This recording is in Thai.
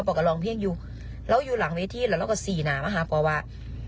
ปอก็ลองเพียงอยู่แล้วอยู่หลังเวทีน่ะแล้วก็สี่นามาฮะปอว่า